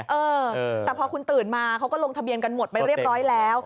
เออแต่พอคุณตื่นมาเขาก็ลงทะเบียนกันหมดไปเรียบร้อยแล้ว